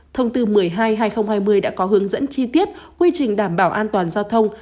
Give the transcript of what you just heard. thông tư một mươi hai hai nghìn hai mươi đã có hướng dẫn chi tiết quy trình đảm bảo an toàn giao thông